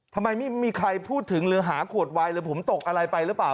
ทำไมไม่มีใครพูดถึงหรือหาขวดวายหรือผมตกอะไรไปหรือเปล่า